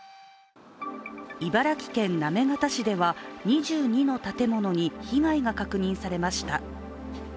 茨城県行方市では２２の建物に被害が確認されました。